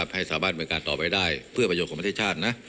ให้สามารถบริการต่อไปได้เพื่อประโยชน์ของประเทศชาตินะ